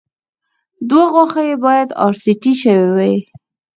دوه غاښه يې باید ار سي ټي شوي وای